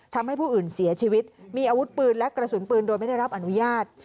ทำให้ผู้อื่นเสียชีวิตมีอาวุธปืนและกระสุนปืนโดยไม่ได้รับอนุญาต